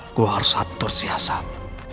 aku harus atur siasat